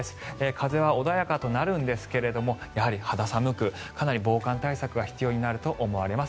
風は穏やかとなるんですがやはり肌寒くかなり防寒対策が必要になると思われます。